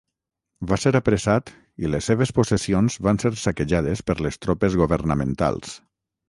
Va ser apressat i les seves possessions van ser saquejades per les tropes governamentals.